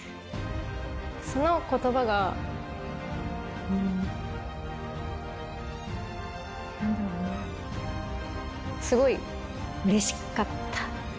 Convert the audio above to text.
そのことばが、なんだろうな、すごいうれしかった。